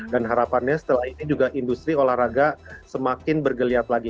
dan harapannya setelah ini juga industri olahraga semakin bergeliat lagi